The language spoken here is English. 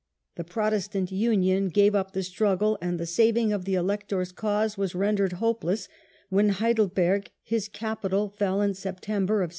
The Protestant Union gave up the struggle, and the saving of the Elector's cause was rendered hopeless when Heidelberg, his capital, fell in September, 1622.